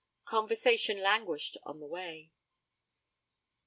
Conversation languished on the way.